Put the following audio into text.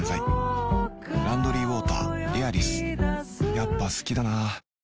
やっぱ好きだな